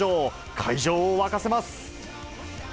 会場を沸かせます。